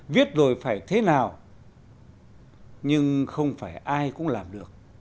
viết rồi phải thế nào nhưng không phải ai cũng làm được